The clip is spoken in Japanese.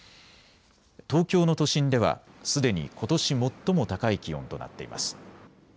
東京の都心ではすでにことし最も高い気温となっています。